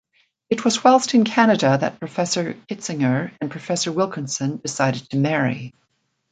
It was whilst in Canada that Professor Kitzinger and Professor Wilkinson decided to marry.